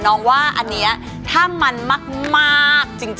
น้องว่าอันนี้อ่ะเท่ามันมากจริงอ่ะ